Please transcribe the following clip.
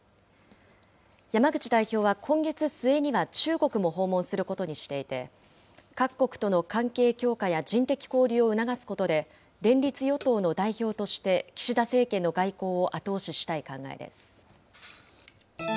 山口代表は、今月末には中国も訪問することにしていて、各国との関係強化や人的交流を促すことで、連立与党の代表として、岸田政権の外交を後押ししたい考えです。